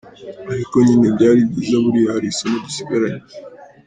Ariko nyine byari byiza buriya hari isomo dusigaranye.